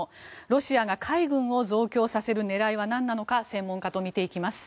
ロシアが海軍を増強させる狙いはなんなのか専門家と見ていきます。